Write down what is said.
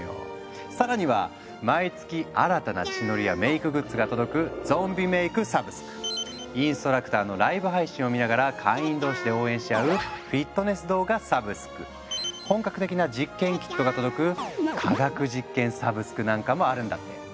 更には毎月新たな血のりやメイクグッズが届くインストラクターのライブ配信を見ながら会員同士で応援し合う本格的な実験キットが届く「科学実験サブスク」なんかもあるんだって。